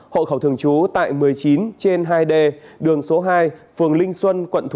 hộ khẩu thường trú tại một mươi chín trên hai d đường số hai phường linh xuân quận thủ